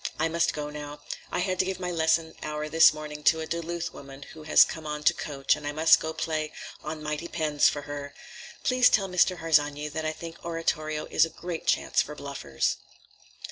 "I must go now. I had to give my lesson hour this morning to a Duluth woman who has come on to coach, and I must go and play 'On Mighty Pens' for her. Please tell Mr. Harsanyi that I think oratorio is a great chance for bluffers."